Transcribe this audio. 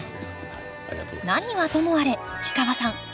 何はともあれ氷川さん